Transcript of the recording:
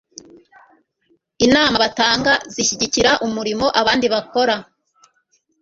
inama batanga zishyigikira umurimo abandi bakora .